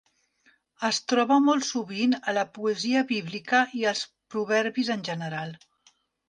Es troba molt sovint a la poesia bíblica i als proverbis en general.